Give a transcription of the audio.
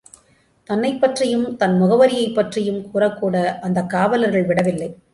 தன்னைப் பற்றியும் தன் முகவரியைப் பற்றியும் கூறக்கூட அந்த காவலர்கள் விடவில்லை.